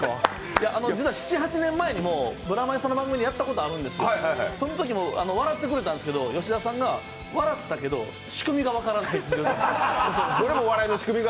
実は７８年前にも吉田さんの前でやったことあるんですがそのときも笑ってくれたんですけど、吉田さんが笑ったけど仕組みが分からんって。